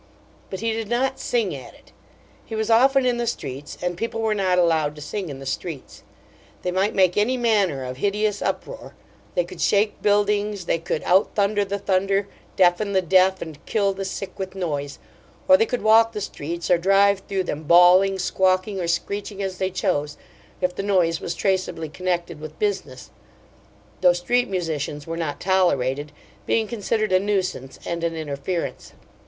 But he did not sing at it. He was often in the streets, and people were not allowed to sing in the streets. They might make any manner of hideous uproar they could shake buildings; they could out thunder the thunder, deafen the deaf, and kill the sick with noise; or they could walk the streets or drive through them bawling, squawking, or screeching, as they chose, if the noise was traceably connected with business; though street musicians were not tolerated, being considered a nuisance and an interference.